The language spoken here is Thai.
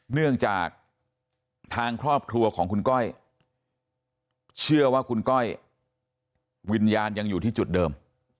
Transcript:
เนื่องจากทางครอบครัวของคุณก้อยเชื่อว่าคุณก้อยวิญญาณยังอยู่ที่จุดเดิม